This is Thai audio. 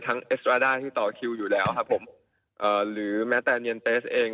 ทั้งเอสราด้าที่ต่อคิวอยู่แล้วหรือแม้แต่เนียนเตสเอง